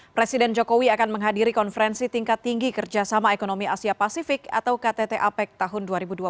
presiden jokowi akan menghadiri konferensi tingkat tinggi kerjasama ekonomi asia pasifik atau ktt apec tahun dua ribu dua puluh